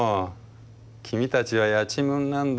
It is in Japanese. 君たちはやちむんなんだ。